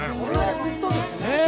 ずっとですね。